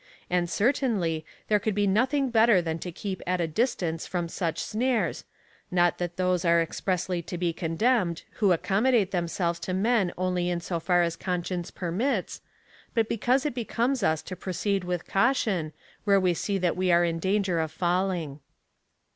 And, certainly, there could be nothing better than to keep at a distance from such snares — not that those are expressly to be condemned, who accommodate themselves to men only in so far as conscience j)ermits,^ but because it becomes us to proceed with caution,^ where we see that we are in danger of falling.